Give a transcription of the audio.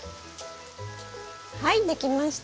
はい出来ました。